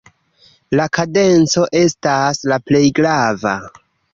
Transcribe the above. La kadenco estas la plej grava.